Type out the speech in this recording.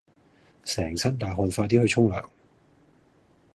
成身大汗快啲去沖涼